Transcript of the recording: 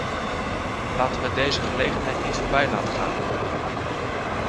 Laten wij deze gelegenheid niet voorbij laten gaan.